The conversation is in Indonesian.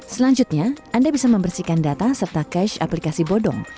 selanjutnya anda bisa membersihkan data serta cash aplikasi bodong